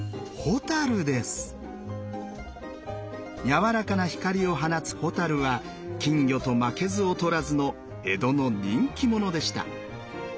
柔らかな光を放つ蛍は金魚と負けず劣らずの江戸の人気者でした。